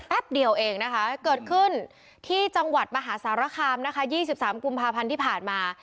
เดียวเองนะคะเกิดขึ้นที่จังหวัดมหาสารคามนะคะ๒๓กุมภาพันธ์ที่ผ่านมา